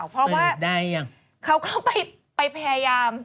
เสิร์ทได้หรือยังเพราะว่าเขาก็ไปพยายาม